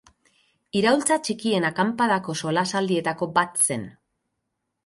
Iraultza Txikien Akanpadako solasaldietako bat zen.